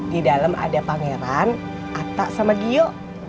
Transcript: di dalam ada pangeran atta sama gio